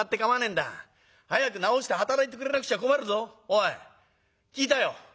おい聞いたよ」。